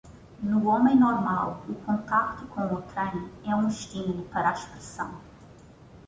no homem normal o contacto com outrem é um estímulo para a expressão